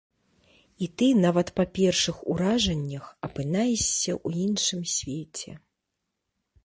І ты, нават па першых уражаннях, апынаешся ў іншым свеце.